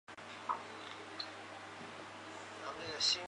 英国天文学家哈雷在一千年后提出自行运动的观点。